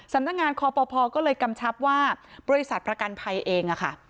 สำนักงานคอปภก็เลยกำชับว่าบริษัทประกันภัยเองค่ะ